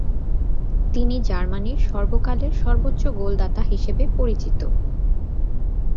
তিনি জার্মানীর সর্বকালের সর্বোচ্চ গোলদাতা হিসেবে পরিচিত।